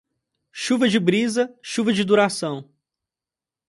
Chuva de brisa, chuva de duração.